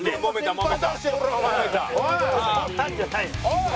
おい！